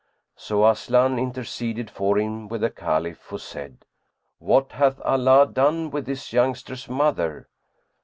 So Aslan interceded for him with the Caliph, who said, "What hath Allah done with this youngster's mother?"